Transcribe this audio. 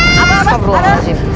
aku sudah pernah di kedua duanya hari